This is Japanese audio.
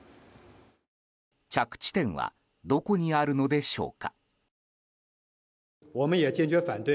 着地点はどこにあるのでしょうか。